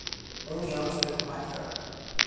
او نیاز به کمک دارد.